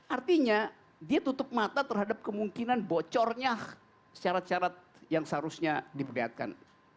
artinya dia tutup mata terhadap kemungkinan bocornya syarat syarat yang seharusnya diperlihatkan